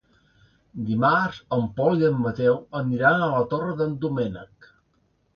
Dimarts en Pol i en Mateu aniran a la Torre d'en Doménec.